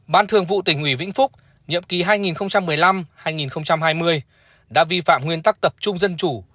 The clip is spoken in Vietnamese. ban thường vụ tỉnh ủy vĩnh phúc nhiệm ký hai nghìn một mươi năm hai nghìn hai mươi đã vi phạm nguyên tắc tập trung dân chủ